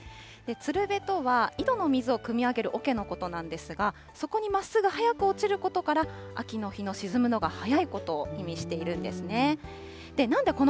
つるべとは、井戸の水をくみ上げるおけのことなんですが、底にまっすぐ速く落ちることから、秋の日の沈むのが早いことを意味しているんですね。